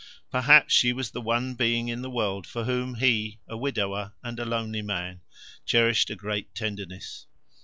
Perhaps she was the one being in the world for whom he, a widower and lonely man, cherished a great tenderness.